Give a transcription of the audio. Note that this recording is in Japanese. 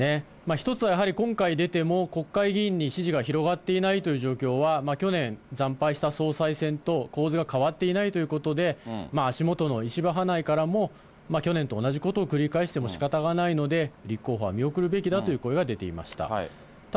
一つはやはり、今回出ても、国会議員に支持が広がっていないという状況は、去年、惨敗した総裁選と構図が変わっていないということで、足元の石破派内からも、去年と同じことを繰り返してもしかたがないので、立候補は見送るべきだという声が出ていました。